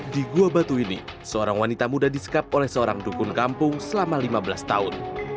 di gua batu ini seorang wanita muda disekap oleh seorang dukun kampung selama lima belas tahun